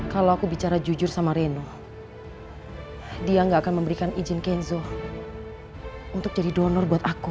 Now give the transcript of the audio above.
kalau aku bicara jujur sama reno dia gak akan memberikan izin kenzo untuk jadi donor buat aku